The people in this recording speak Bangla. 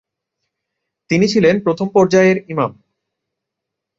তিনি ছিলেন প্রথম পর্যায়ের ইমাম।